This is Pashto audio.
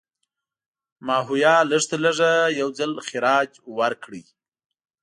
ماهویه لږترلږه یو ځل خراج ورکړی.